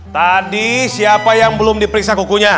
tadi siapa yang belum diperiksa kukunya